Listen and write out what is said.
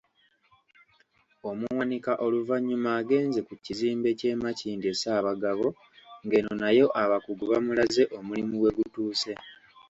Omuwanika oluvannyuma agenze ku kizimbe ky'e Makindye Ssaabagabo ng'eno nayo abakugu bamulaze omulimu we gutuuse.